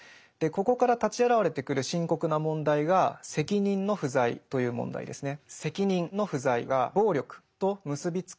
ここから立ち現れてくる深刻な問題が責任の不在という問題ですね。